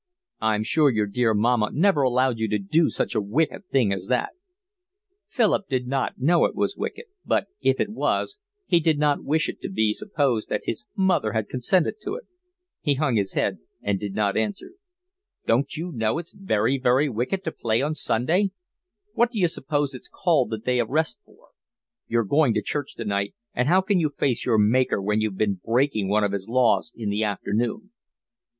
"I'm sure your dear mamma never allowed you to do such a wicked thing as that." Philip did not know it was wicked; but if it was, he did not wish it to be supposed that his mother had consented to it. He hung his head and did not answer. "Don't you know it's very, very wicked to play on Sunday? What d'you suppose it's called the day of rest for? You're going to church tonight, and how can you face your Maker when you've been breaking one of His laws in the afternoon?"